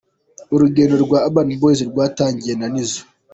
Urugendo rwa Urban Boyz rwatangijwe na Nizzo.